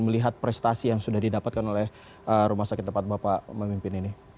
melihat prestasi yang sudah didapatkan oleh rumah sakit tempat bapak memimpin ini